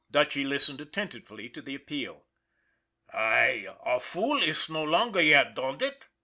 Dutchy listened attentively to the appeal. " I, a fool iss no longer yet, don'd it